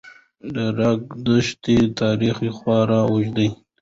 د ریګ دښتو تاریخ خورا اوږد دی.